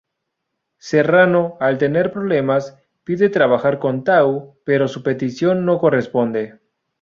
Serrano al tener problemas, pide trabajar con Tau, pero su petición no corresponde.